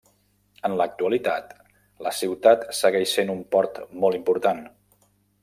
En l'actualitat, la ciutat segueix sent un port molt important.